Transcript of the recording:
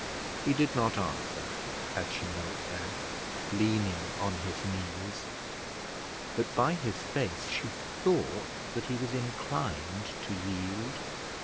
He did not answer, as she knelt there, leaning on his knees, but by his face she thought that he was inclined to yield.